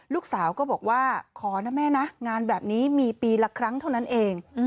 ลูกสาวก็บอกว่าขอนะแม่นะงานแบบนี้มีปีละครั้งเท่านั้นเอง